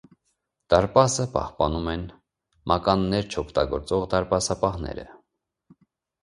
Դարպասը պահպանում են մականներ չօգտագործող դարպասապահները։